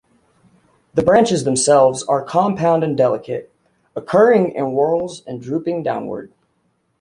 The branches themselves are compound and delicate, occurring in whorls and drooping downward.